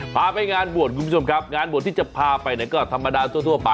พาไปงานบวชคุมสมครับงานบวชที่จะพาไปก็ธรรมดาทั่วไป